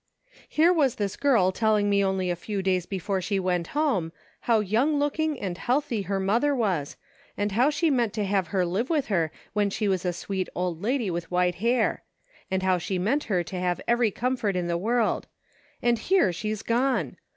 " Here was this girl telling me only a few days before she went home how young looking and healthy her mother was, and how she meant to have her live with her when she was a sweet old lady with white hair ; and how she meant her to have every comfort .in the world ; and here she's gone